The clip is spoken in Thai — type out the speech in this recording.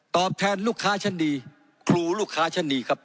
แทนลูกค้าชั้นดีครูลูกค้าชั้นดีครับ